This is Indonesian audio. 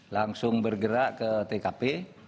langsung bergerak ke tkp